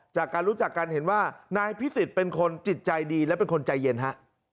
จากการรู้จักกันเห็นว่านายพิสิทธิ์เป็นคนจิตใจดีและเป็นคนใจเย็นฮะ